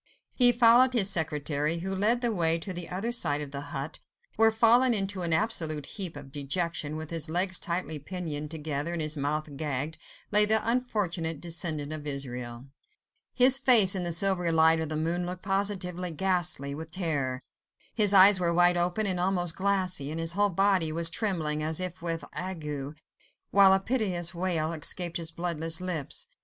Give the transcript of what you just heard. He followed his secretary, who led the way to the other side of the hut, where, fallen into an absolute heap of dejection, with his legs tightly pinioned together and his mouth gagged, lay the unfortunate descendant of Israel. His face in the silvery light of the moon looked positively ghastly with terror: his eyes were wide open and almost glassy, and his whole body was trembling, as if with ague, while a piteous wail escaped his bloodless lips.